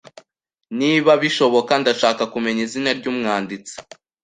Niba bishoboka, ndashaka kumenya izina ryumwanditsi.